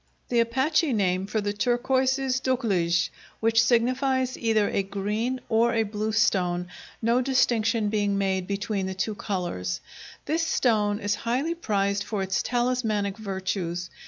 The Apache name for the turquoise is duklij, which signifies either a green or a blue stone, no distinction being made between the two colors. This stone is highly prized for its talismanic virtues.